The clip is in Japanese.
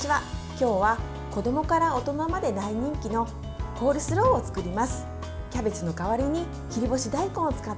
今日は子どもから大人まで大人気のコールスローを作ります。